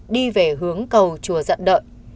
đi về hướng cầu chùa dận đợi